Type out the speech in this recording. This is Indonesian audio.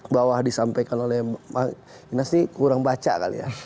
bahwa disampaikan oleh mas inas ini kurang baca kali ya